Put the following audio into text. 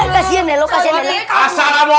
kasian ya lo kasian ya lo